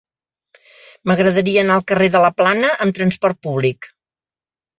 M'agradaria anar al carrer de la Plana amb trasport públic.